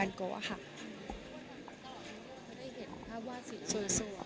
ตอนนี้ก็ได้เห็นภาพวาดสีสวย